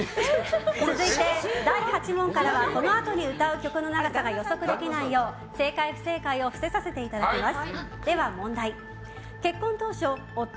続いて、第８問からはこのあとに歌う曲の長さが予測できないよう正解・不正解を伏せさせていただきます。